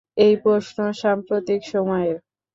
এই প্রশ্ন সাম্প্রতিক সময়ের।